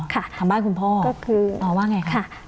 ค่ะทำบ้านคุณพ่อก็คืออ๋อว่าไงค่ะค่ะ